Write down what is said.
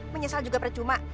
menyesal juga percuma